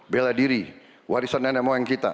bela diri warisan dan emang kita